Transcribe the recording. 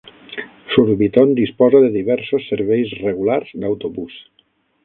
Surbiton disposa de diversos serveis regulars d'autobús.